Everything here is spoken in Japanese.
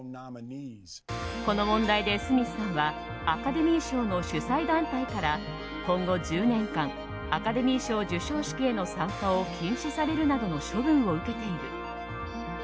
この問題でスミスさんはアカデミー賞の主催団体から今後１０年間アカデミー賞授賞への参加を禁止されるなどの処分を受けている。